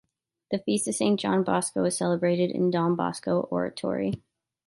The feast of Saint John Bosco is celebrated in the Don Bosco Oratory.